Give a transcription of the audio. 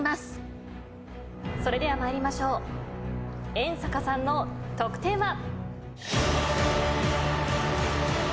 それでは参りましょう遠坂さんの得点は？